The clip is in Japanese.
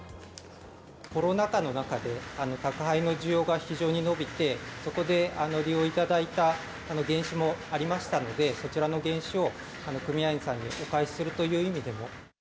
コロナ禍の中で、宅配の需要が非常に伸びて、そこで利用いただいた原資もありましたので、そちらの原資を組合員さんにお返しするという意味でも。